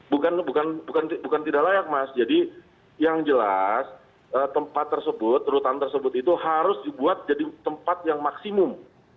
bukan tidak layak mas jadi yang jelas tempat tersebut rutan tersebut itu harus dibuat jadi tempat yang maksimum